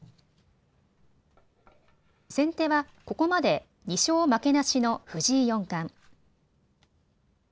先手は、ここまで２勝負けなしの藤井四冠。